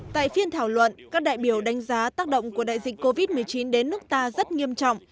tại phiên thảo luận các đại biểu đánh giá tác động của đại dịch covid một mươi chín đến nước ta rất nghiêm trọng